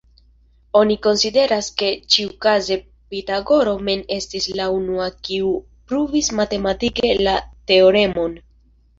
Oni konsideras ke ĉiukaze Pitagoro mem estis la unua kiu pruvis matematike la teoremon.